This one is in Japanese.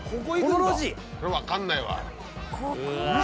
これ分かんないわ。